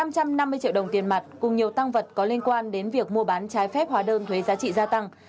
năm trăm năm mươi triệu đồng tiền mặt cùng nhiều tăng vật có liên quan đến việc mua bán trái phép hóa đơn thuế giá trị gia tăng